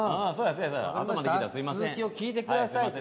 続きを聴いてください。